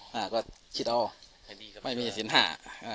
ก็คิดเอาไม่มีศิลป์ห้า